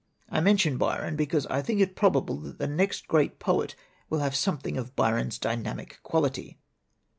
I mention Byron because I think it probable that the next great poet will have some thing of Byron's dynamic quality."